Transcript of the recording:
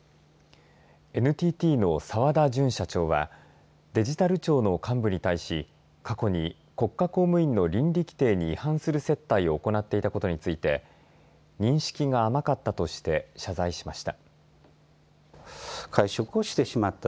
ＮＴＴの澤田純社長はデジタル庁の幹部に対し過去に国家公務員の倫理規程に違反する接待を行っていたことについて認識が甘かったとして謝罪しました。